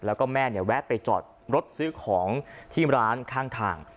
แล้วก็แม่เนี่ยแวะไปจอดรถซื้อของที่ร้านข้างทาง